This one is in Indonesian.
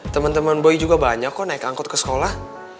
temen temen boy juga banyak kok naik angkot ke sekolah